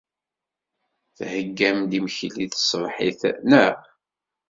Theyyam-d imekli n tṣebḥit, naɣ?